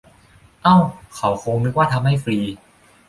เอ้า เขาคงนึกว่าทำให้ฟรี